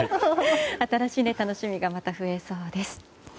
新しい楽しみがまた増えそうです。